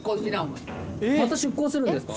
また出航するんですか？